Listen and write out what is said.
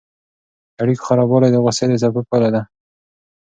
د اړیکو خرابوالی د غوسې د څپو پایله ده.